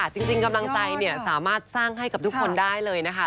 จริงกำลังใจสามารถสร้างให้กับทุกคนได้เลยนะคะ